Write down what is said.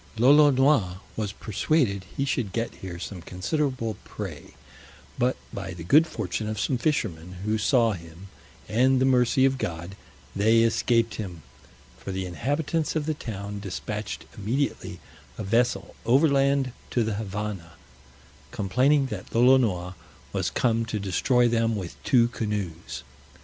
Lolonois was persuaded he should get here some considerable prey; but by the good fortune of some fishermen who saw him, and the mercy of God, they escaped him: for the inhabitants of the town dispatched immediately a vessel overland to the Havannah, complaining that Lolonois was come to destroy them with two canoes.